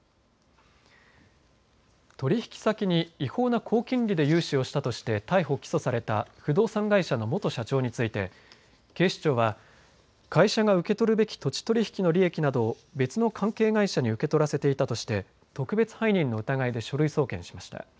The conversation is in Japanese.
取引先に違法な高金利で融資をしたとして逮捕・起訴された不動産会社の元社長について警視庁は会社が受け取るべき土地取り引きの利益などを別の関係会社に受け取らせていたとして特別背任の疑いで書類送検しました。